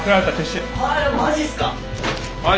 おい！